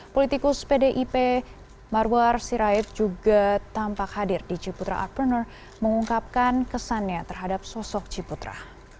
politikus pdip marwar sirait juga tampak hadir di ciputra entrepreneur mengungkapkan kesannya terhadap sosok ciputra